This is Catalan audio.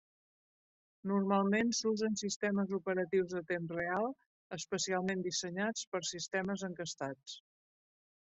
Normalment s'usen Sistemes Operatius de Temps Real especialment dissenyats per sistemes encastats.